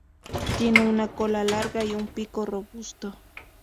Tiene una cola larga y un pico robusto.